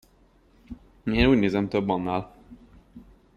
Én úgy nézem, több annál!